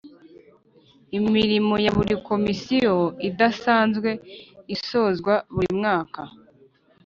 Imirimo ya buri Komisiyo idasanzwe isozwa burimwaka.